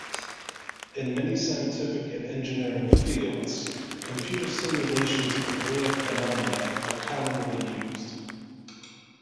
In many scientific and engineering fields, computer simulations of real phenomena are commonly used.